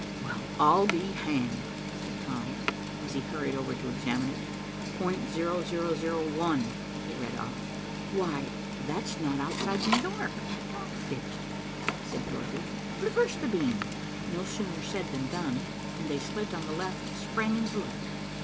"Well, I'll be hanged!" said Tom, as he hurried over to examine it. ".0001," he read off. "Why, that's not outside New York. Don't figure it," said Dorothy. "Reverse the beam." No sooner said than done, and a slit on the left sprang into light.